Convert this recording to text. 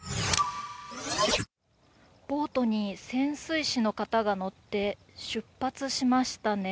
ボートに潜水士の方が乗って出発しましたね。